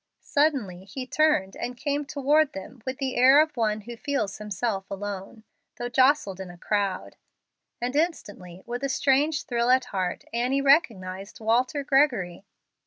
Suddenly he turned and came toward them with the air of one who feels himself alone, though jostled in a crowd, and instantly, with a strange thrill at heart, Annie recognized Walter Gregory.